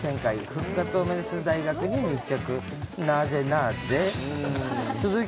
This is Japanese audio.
復活を目指す大学に密着。